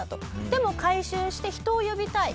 でも改修して人を呼びたい。